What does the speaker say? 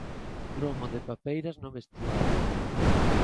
Gromo de papeiras no vestiario.